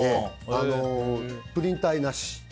プリン体なし。